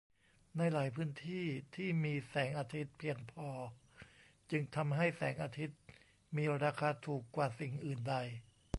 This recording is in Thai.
ในหลายพื้นที่ที่มีแสงอาทิตย์เพียงพอจึงทำให้แสงอาทิตย์มีราคาถูกกว่าสิ่งอื่นใด